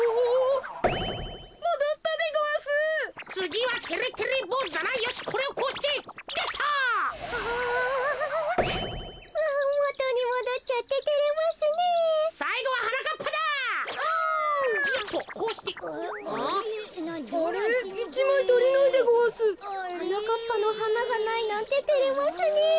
はなかっぱのはながないなんててれますねえ。